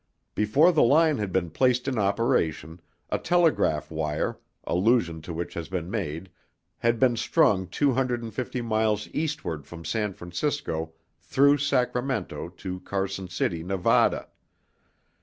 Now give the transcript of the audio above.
Before the line had been placed in operation, a telegraph wire, allusion to which has been made, had been strung two hundred and fifty miles Eastward from San Francisco through Sacramento to Carson City, Nevada.